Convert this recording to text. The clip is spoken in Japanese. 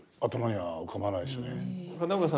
はい。